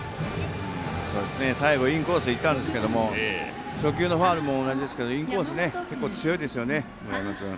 最後インコースいったんですが初球のファウルも同じですけどインコース結構強いですよね。